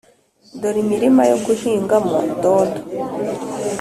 dore imirima yo guhingamo dodo